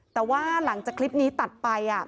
แต่ว่าหลังจากคลิปนี้ตัดไป